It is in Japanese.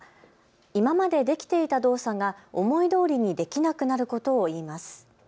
今までできていた動作が思いどおりにできなくなることをいいます。